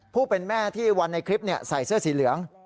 ผู้เป็นแม่ที่วันในคลิปใส่เสื้อสีเหลือง